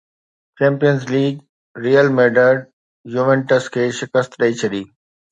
champions League Real Madrid Juventus کي شڪست ڏئي ڇڏي